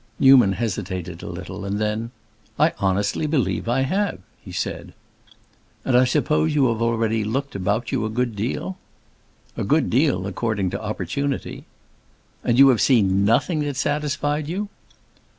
Newman hesitated a little; and then, "I honestly believe I have!" he said. "And I suppose you have already looked about you a good deal." "A good deal, according to opportunity." "And you have seen nothing that satisfied you?"